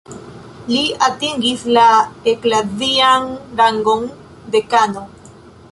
Li atingis la eklazian rangon dekano.